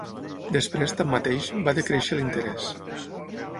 Després, tanmateix, va decréixer l'interès.